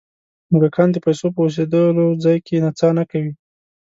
موږکان د پیسو په اوسېدلو ځای کې نڅا نه کوي.